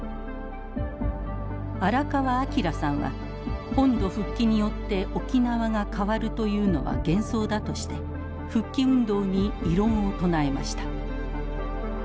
新川明さんは本土復帰によって沖縄が変わるというのは幻想だとして復帰運動に異論を唱えました。